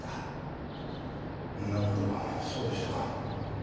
なるほどそうでしたか。